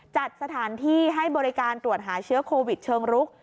จัดสถานที่ให้บริการตรวจหาเชื้อโควิดเชิงรุก